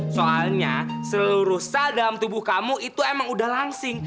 soalnya seluruh sel dalam tubuh kamu itu emang udah langsing